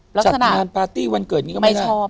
จัดงานปาร์ตี้วันเกิดนี้ก็ไม่ได้